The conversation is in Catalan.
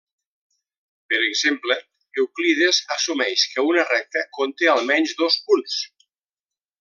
Per exemple, Euclides assumeix que una recta conté almenys dos punts.